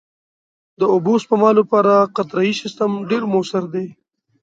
د اوبو سپما لپاره قطرهيي سیستم ډېر مؤثر دی.